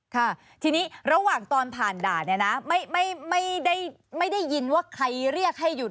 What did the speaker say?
ค่ะทีนี้ระหว่างตอนผ่านด่านเนี่ยนะไม่ได้ไม่ได้ยินว่าใครเรียกให้หยุด